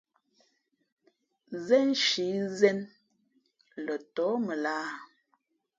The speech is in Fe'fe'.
Zénshǐ Zén lά ntōh mα lahā ?